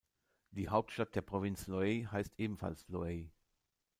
Die Hauptstadt der Provinz Loei heißt ebenfalls Loei.